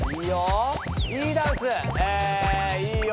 いいよ。